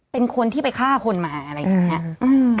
เป็นคนที่ไปฆ่าคนมาอะไรอย่างนี้